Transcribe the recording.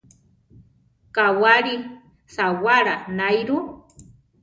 Kawáli sawála naáiru.